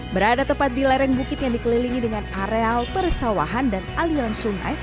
berada tepat di lereng bukit yang dikelilingi dengan areal persawahan dan aliran sungai